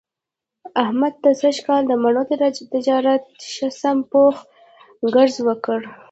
احمد ته سږ کال د مڼو تجارت ښه سم پوخ ګړز ورکړ.